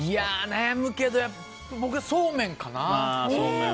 悩むけど、僕はそうめんかな。